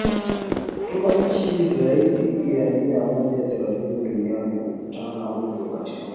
kutoka nchi zaidi ya mia moja thelathini duniani kukutana huko katika mji wa stockholm